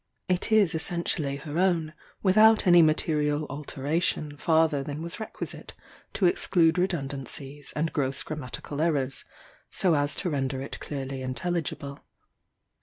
It is essentially her own, without any material alteration farther than was requisite to exclude redundancies and gross grammatical errors, so as to render it clearly intelligible.